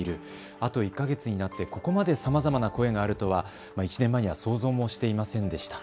あと１か月になって、ここまでさまざまな声があるとは１年前には想像もしていませんでした。